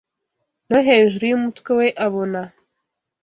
no hejuru yumutwe we abona